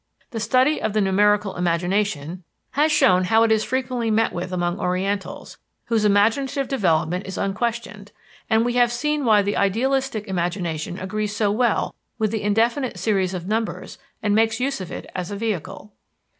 The study of the numerical imagination has shown how it is frequently met with among orientals, whose imaginative development is unquestioned, and we have seen why the idealistic imagination agrees so well with the indefinite series of numbers and makes use of it as a vehicle.